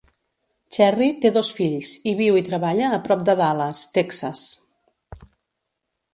Cherry té dos fills i viu i treballa a prop de Dallas, Texas.